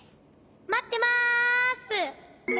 まってます！